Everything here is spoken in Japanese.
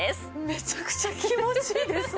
めちゃくちゃ気持ちいいですね。